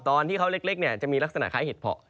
ตอนที่เขาเล็กจะมีลักษณะคล้ายเห็ดเพาะ